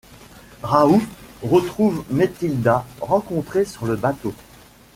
Raouf retrouve Métilda, rencontrée sur le bateau.